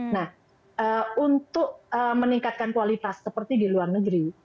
nah untuk meningkatkan kualitas seperti di luar negeri